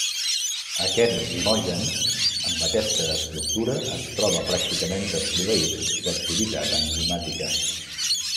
Aquest zimogen, amb aquesta estructura, es troba pràcticament desproveït d’activitat enzimàtica.